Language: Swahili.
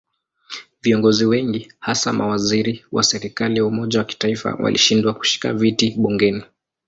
Viongozi wengi hasa mawaziri wa serikali ya umoja wa kitaifa walishindwa kushika viti bungeni.